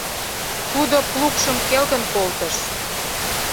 Тудо плугшым келгын колтыш.